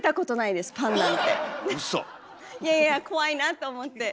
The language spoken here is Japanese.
いやいや怖いなと思って。